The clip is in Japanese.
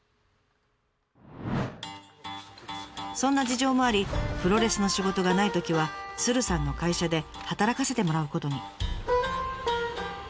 そんな事情もありプロレスの仕事がないときは鶴さんの会社で働かせてもらうことに。